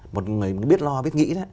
một người biết lo biết nghĩ